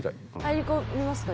入り込みますか？